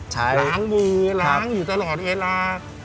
ล้างมือล้างอยู่ตลอดเวลา